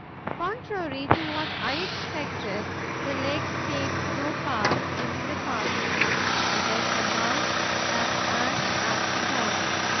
Contrary to what I expected, the legs take no part in the carting. It is the mouth that acts as the barrow.